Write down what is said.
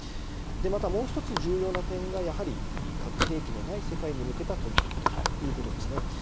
また、もう１つ重要な点が核兵器のない世界に向けた取り組みということですね。